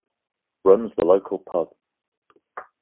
Runs the local pub.